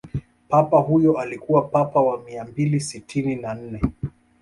papa huyo alikuwa papa wa mia mbili sitini na nne